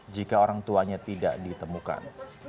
jika orang tuanya tidak ditemukan